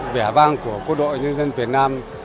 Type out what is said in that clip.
vẻ vang của quân đội nhân dân việt nam